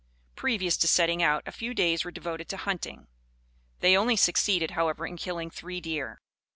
Previous to setting out, a few days were devoted to hunting. They only succeeded, however, in killing three deer.